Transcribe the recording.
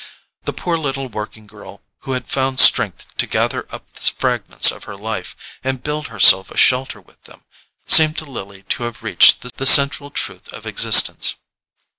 The poor little working girl who had found strength to gather up the fragments of her life, and build herself a shelter with them, seemed to Lily to have reached the central truth of existence.